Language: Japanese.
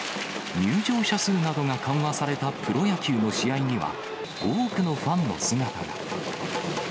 入場者数などが緩和されたプロ野球の試合には、多くのファンの姿が。